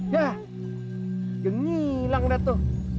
yah jengi lang datu